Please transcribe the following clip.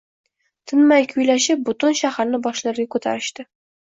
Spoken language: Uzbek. Tinmay kuylashib, butun shaharni boshlariga ko`tarishdi